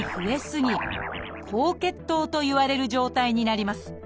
高血糖といわれる状態になります。